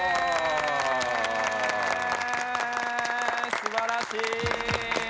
すばらしい！